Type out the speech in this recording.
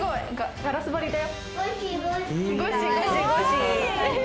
ガラス張りだよ。